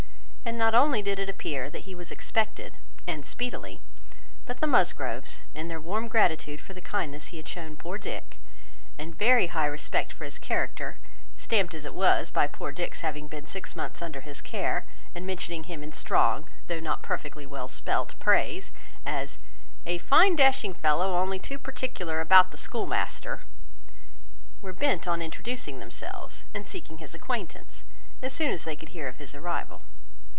And not only did it appear that he was expected, and speedily, but the Musgroves, in their warm gratitude for the kindness he had shewn poor Dick, and very high respect for his character, stamped as it was by poor Dick's having been six months under his care, and mentioning him in strong, though not perfectly well spelt praise, as "a fine dashing felow, only two perticular about the schoolmaster," were bent on introducing themselves, and seeking his acquaintance, as soon as they could hear of his arrival.